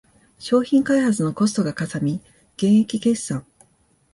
商品開発のコストがかさみ減益決算